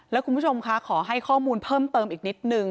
แล้วคุณผู้ชมคะขอให้ข้อมูลเพิ่มเติมอีกนิดนึง